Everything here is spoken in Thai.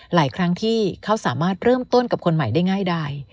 หลายครั้งที่เขาสามารถเริ่มต้นกับคนใหม่ได้ง่ายได้